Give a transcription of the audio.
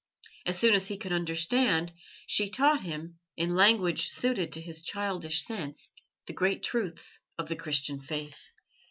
As soon as he could understand, she taught him, in language suited to his childish sense, the great truths of the Christian Faith.